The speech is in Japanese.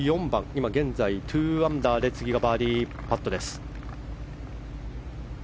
今現在、２アンダーで次がバーディーパットです。